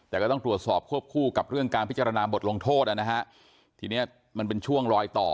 แต่ก็ต้องตรวจสอบควบคู่กับเรื่องการพิจารณาบทลงโทษนะฮะทีเนี้ยมันเป็นช่วงลอยต่อ